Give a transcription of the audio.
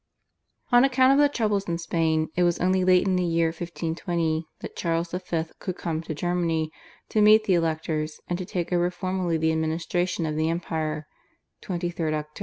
On account of the troubles in Spain it was only late in the year 1520 that Charles V. could come to Germany to meet the electors, and to take over formally the administration of the Empire (23 Oct.).